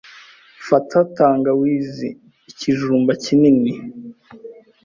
Fata tangawizi ikijumba kinini